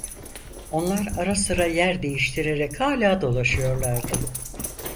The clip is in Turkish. Onlar ara sıra yer değiştirerek hâlâ dolaşıyorlardı.